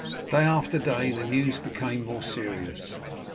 Day after day the news became more serious.